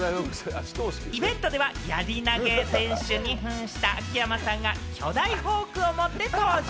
イベントでは、やり投げ選手に扮した秋山さんが、巨大フォークを持って登場。